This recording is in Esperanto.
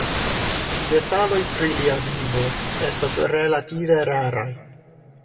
Detaloj pri lia vivo estas relative raraj.